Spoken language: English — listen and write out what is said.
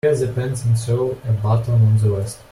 Press the pants and sew a button on the vest.